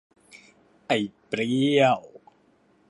ไอ้เปรี้ยว